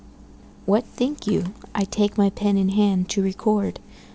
WHAT think you I take my pen in hand to record?